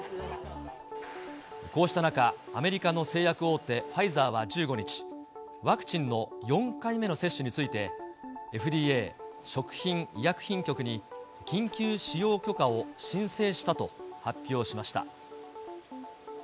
こうした中、アメリカの製薬大手、ファイザーは１５日、ワクチンの４回目の接種について、ＦＤＡ・食品医薬品局に、緊急使用許可を申請したと発表しました。